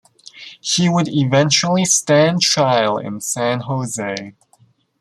He would eventually stand trial in San Jose.